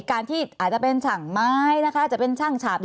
การที่อาจจะเป็นช่างไม้นะคะจะเป็นช่างฉาบ